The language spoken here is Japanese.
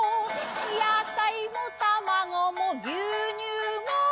野菜も卵も牛乳も